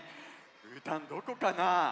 うーたんどこかな？